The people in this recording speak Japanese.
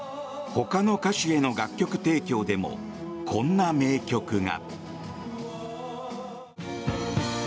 ほかの歌手への楽曲提供でもこんな名曲が。